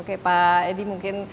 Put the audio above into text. oke pak edi mungkin